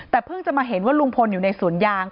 แต่เพิ่งจะมาเห็นว่าลุงพลอยู่ในสวนยาง